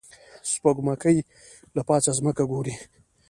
سپوږمکۍ له پاسه ځمکه ګوري